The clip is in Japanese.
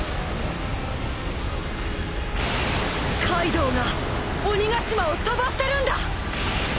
カイドウが鬼ヶ島を飛ばしてるんだ！